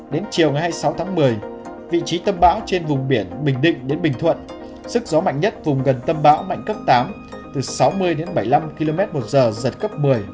đến chiều ngày hai mươi sáu tháng một mươi vị trí tâm áp thấp nhiệt đới trên vùng biển bình định đến bình thuận sức gió mạnh nhất vùng gần tâm áp thấp nhiệt đới mạnh cấp tám từ sáu mươi đến bảy mươi năm km một giờ giật cấp một mươi